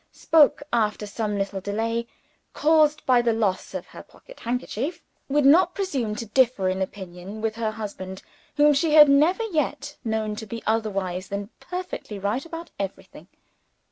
Spoke after some little delay, caused by the loss of her pocket handkerchief. Would not presume to differ in opinion with her husband, whom she had never yet known to be otherwise than perfectly right about everything.